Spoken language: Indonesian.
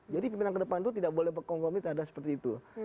jadi pimpinan ke depan itu tidak boleh kompromi tidak ada seperti itu